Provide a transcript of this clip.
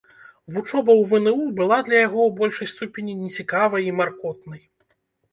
Вучоба ў вну была для яго, у большай ступені, нецікавай і маркотнай.